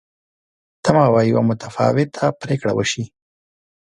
تمه وه یوه متفاوته پرېکړه وشي.